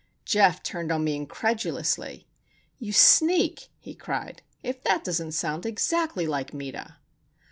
Geof turned on me incredulously. "You sneak!" he cried. "If that doesn't sound exactly like Meta!"